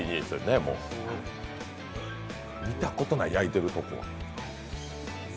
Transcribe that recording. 見たことない、焼いてるとこ。